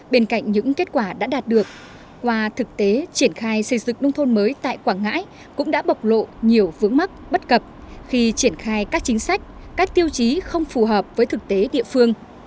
bên cạnh những kết quả đã đạt được qua thực tế triển khai xây dựng nông thôn mới tại quảng ngãi cũng đã bộc lộ nhiều vướng mắc bất cập khi triển khai các chính sách các tiêu chí không phù hợp với thực tế địa phương